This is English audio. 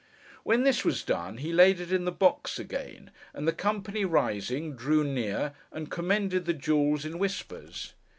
When this was done, he laid it in the box again: and the company, rising, drew near, and commended the jewels in whispers.